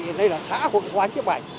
hiện nay là xã hội hóa nhấp ảnh